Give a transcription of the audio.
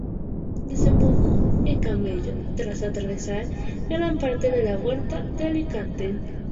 Desemboca en Campello, tras atravesar gran parte de la Huerta de Alicante.